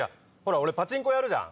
俺パチンコやるじゃん。